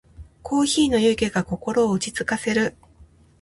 コーヒーの湯気が心を落ち着かせる。